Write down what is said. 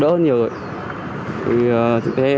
đỡ hơn nhiều rồi